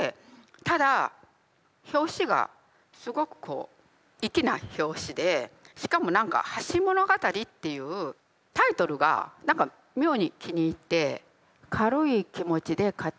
ただ表紙がすごくこう粋な表紙でしかも何か「橋ものがたり」っていうタイトルが何か妙に気に入って軽い気持ちで買って帰って読んだらそれがすごく面白くて。